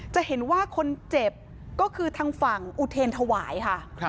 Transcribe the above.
จะเห็นว่าคนเจ็บก็คือทางฝั่งอุเทรนถวายค่ะ